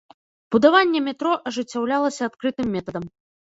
Будаванне метро ажыццяўлялася адкрытым метадам.